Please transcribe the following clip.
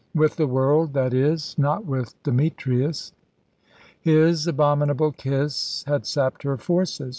With the world, that is, not with Demetrius. His abominable kiss had sapped her forces.